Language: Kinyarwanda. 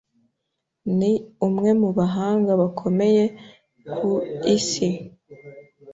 Ni umwe mu bahanga bakomeye ku isi.